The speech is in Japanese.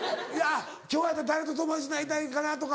今日やったら誰と友達になりたいかなとか。